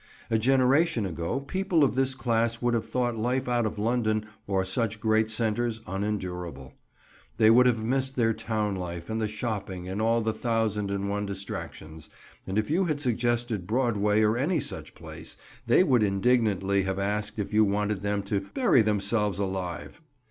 A generation ago people of this class would have thought life out of London or such great centres unendurable. They would have missed their town life and the shopping and all the thousand and one distractions, and if you had suggested Broadway or any such place, they would indignantly have asked if you wanted them to "bury themselves alive."